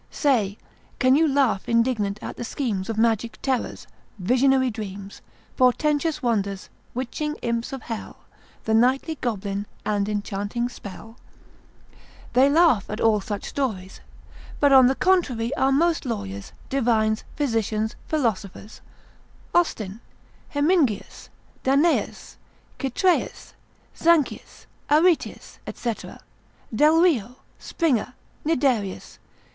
——— Say, can you laugh indignant at the schemes Of magic terrors, visionary dreams, Portentous wonders, witching imps of Hell, The nightly goblin, and enchanting spell? They laugh at all such stories; but on the contrary are most lawyers, divines, physicians, philosophers, Austin, Hemingius, Danaeus, Chytraeus, Zanchius, Aretius, &c. Delrio, Springer, Niderius, lib. 5. Fornicar.